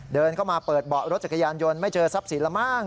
เดินเข้ามาเปิดเบาะรถจักรยานยนต์ไม่เจอทรัพย์สินแล้วมั้ง